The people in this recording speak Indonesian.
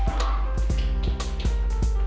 ya mulai aja lah ya